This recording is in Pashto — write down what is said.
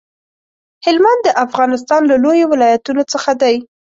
هلمند د افغانستان له لويو ولايتونو څخه دی.